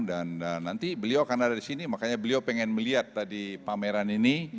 dan nanti beliau akan ada di sini makanya beliau pengen melihat tadi pameran ini